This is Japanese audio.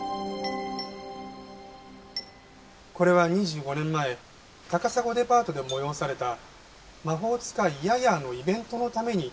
これは２５年前高砂デパートで催された『魔法使いヤヤー』のイベントのために山田さんが作った風鈴です。